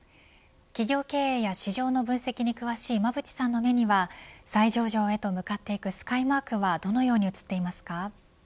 企業経営や市場の分析に詳しい馬渕さんの目には再上場へと向かっていくスカイマークはどのように映っていますか。